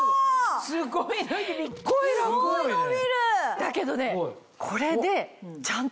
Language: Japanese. だけどね。